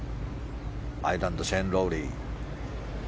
アイルランドシェーン・ロウリー。